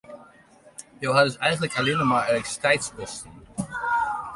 Jo ha dus eigenlik allinne mar elektrisiteitskosten.